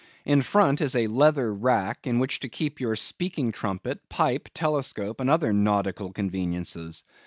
In front is a leather rack, in which to keep your speaking trumpet, pipe, telescope, and other nautical conveniences.